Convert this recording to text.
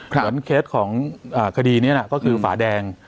เหมือนเคสของคดีนี้นะก็คือฝาแดง